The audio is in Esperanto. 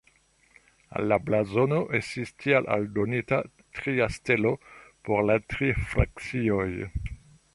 Al la blazono estis tial aldonita tria stelo por la tri frakcioj.